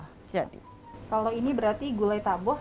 kalau ini berarti gulai taboh